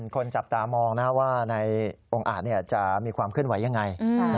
คนจับตามองว่าในองค์อาจจะมีความเคลื่อนไหวยังไง